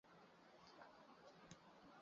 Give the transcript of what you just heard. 图巴朗是巴西圣卡塔琳娜州的一个市镇。